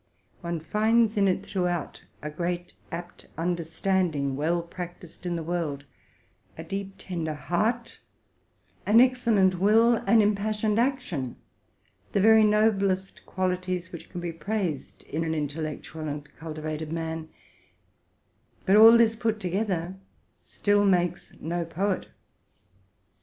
One finds in it throughout a great, apt understanding, well practised in the world; a deep, tender heart; an excellent will; an impassioned action, — the very noblest qualities which can be praised in an intellectual and cultivated man; but all this put together still makes no poet.